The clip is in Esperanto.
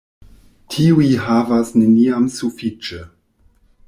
Tiuj havas neniam sufiĉe.